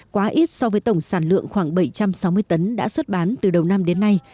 quá ít so với tổng sản lượng khoảng bảy trăm sáu mươi tấn đã xuất bán từ đầu năm đến nay